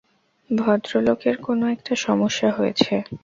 ভদ্রলোকের কোনো- একটা সমস্যা হয়েছে।